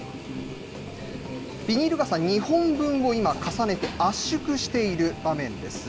ビニール傘２本分を重ねて圧縮している場面です。